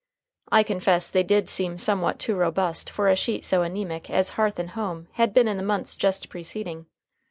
I confess they did seem somewhat too robust for a sheet so anæmic as Hearth and Home had been in the months just preceding.